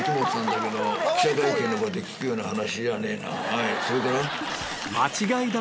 はいそれから？